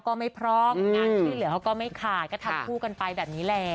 ทำอย่างไรก็สู้นะครับ